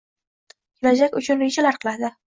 kelajak uchun rejalar qiladi.